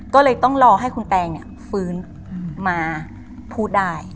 ก็เลยต้องรอให้คุณแตงฟื้นมาพูดได้